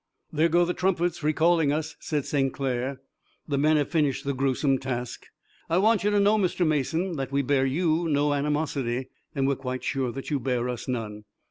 "There go the trumpets recalling us," said St. Clair. "The men have finished the gruesome task. I want you to know, Mr. Mason, that we bear you no animosity, and we're quite sure that you bear us none."